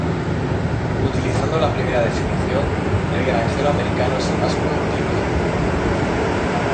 Utilizando la primera definición, el granjero americano es el más productivo del mundo.